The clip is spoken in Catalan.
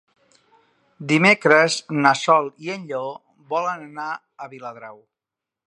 Dimecres na Sol i en Lleó volen anar a Viladrau.